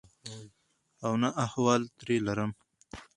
او نه احوال ترې لرم.